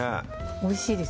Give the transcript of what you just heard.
おいしいです